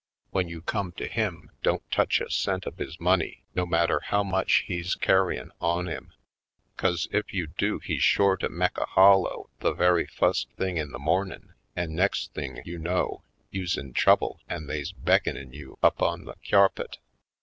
W'en you come to him, don't touch a cent of his money no matter how much he's car ryin' on him. 'Cause ef you do he's shore to mek a hollow the very fust thing in the mornin' an' next thing you know you's in North Bound 37 trouble an' they's beckonin' you up on the cyarpet."